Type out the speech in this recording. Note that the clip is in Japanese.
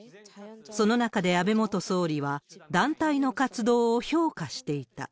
その中で安倍元総理は、団体の活動を評価していた。